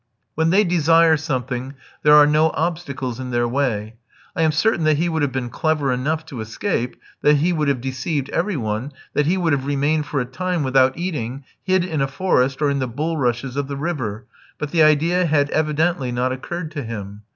When they desire something there are no obstacles in their way. I am certain that he would have been clever enough to escape, that he would have deceived every one, that he would have remained for a time without eating, hid in a forest, or in the bulrushes of the river; but the idea had evidently not occurred to him.